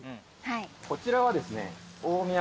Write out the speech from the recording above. こちらはですね。